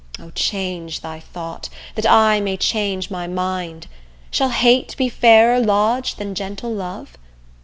O! change thy thought, that I may change my mind: Shall hate be fairer lodg'd than gentle love?